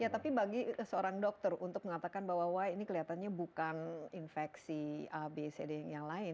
ya tapi bagi seorang dokter untuk mengatakan bahwa wah ini kelihatannya bukan infeksi a b c d yang lain